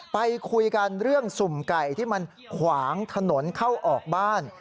ไปคุยกันเรื่องสุ่มไก่ที่มันขวางถนนเข้าออกบ้าน